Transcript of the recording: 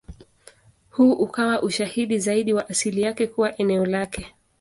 Huu ukawa ushahidi zaidi wa asili yake kuwa eneo lake.